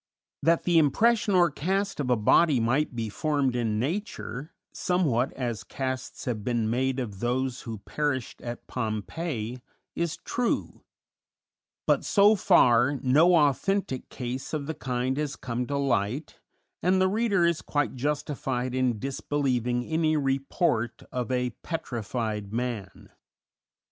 That the impression or cast of a body might be formed in nature, somewhat as casts have been made of those who perished at Pompeii, is true; but, so far, no authentic case of the kind has come to light, and the reader is quite justified in disbelieving any report of "a petrified man."